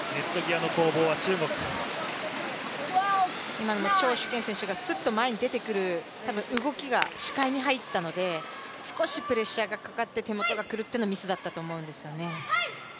今のも張殊賢選手がすっと前に出てくる、多分、動きが視界に入ったので少しプレッシャーがかかって手元が狂ってのミスだったと思うんですよね。